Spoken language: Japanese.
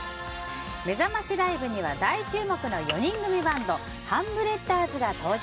めざましライブには大注目の４人組バンドハンブレッダーズが登場。